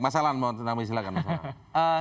mas alan mau nambahin silahkan mas alan